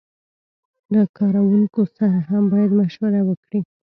له کارکوونکو سره هم باید مشوره وکړي.